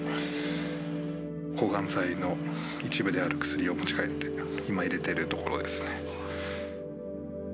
抗がん剤の一部である薬を持ち帰って、今、入れてるところですね。